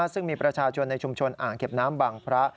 ซึ่งมีประชาชนในชุมชนอ่างเก็บน้ำบางพระ